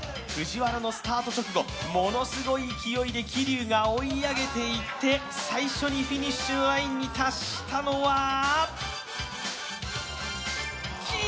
藤原のスタート直後、ものすごい勢いで桐生が追い上げていって最初にフィニッシュラインに達したのは？